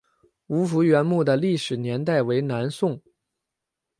吴福源墓的历史年代为南宋。